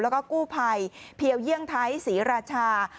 แล้วก็กู้ภัยเพียวเยี่ยงไทยศรีราชา